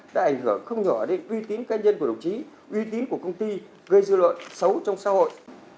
đã ảnh hưởng không nhỏ đến uy tín cá nhân của đồng chí uy tín của công ty gây dư luận xấu trong xã hội